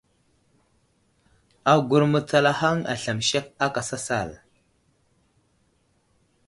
Agur mətsalahaŋ aslam sek aka sasal.